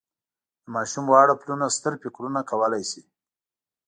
د ماشوم واړه پلونه ستر فکرونه کولای شي.